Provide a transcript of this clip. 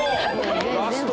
ラスト！